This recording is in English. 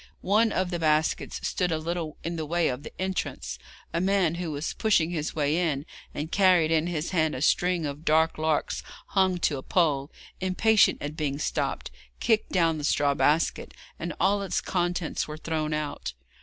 One of the baskets stood a little in the way of the entrance. A man who was pushing his way in, and carried in his hand a string of dead larks hung to a pole, impatient at being stopped, kicked down the straw basket, and all its contents were thrown out.